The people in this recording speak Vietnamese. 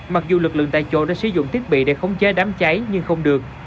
mặc dù lực lượng tại chỗ đã sử dụng thiết bị để khống chế đám cháy nhưng không được